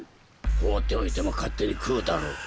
放っておいても勝手に食うだろ。